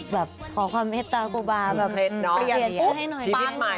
แบบขอความเฮ็ดตากุบาริยชาติแบบเปลี่ยนให้หน่อยเปลี่ยนให้หน่อย